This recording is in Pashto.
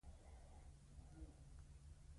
ټول هوټلونه له خلکو څخه ډک وي